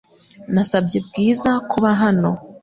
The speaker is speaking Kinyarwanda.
Nasabye Bwiza kuba hano .